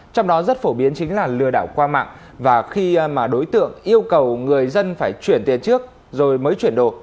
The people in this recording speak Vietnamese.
trong đó rất phổ biến chính là lừa đảo qua mạng và khi mà đối tượng yêu cầu người dân phải chuyển tiền trước rồi mới chuyển đổi